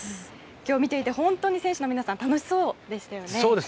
今日見ていて本当に選手の皆さん楽しそうでしたよね。